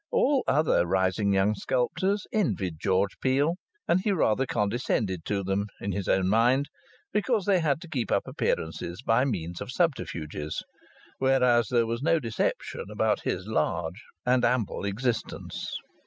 All other rising young sculptors envied George Peel, and he rather condescended to them (in his own mind) because they had to keep up appearances by means of subterfuges, whereas there was no deception about his large and ample existence.